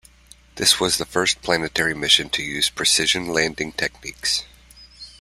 This was the first planetary mission to use precision landing techniques.